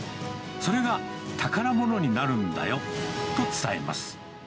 それが宝物になるんだよと伝えます。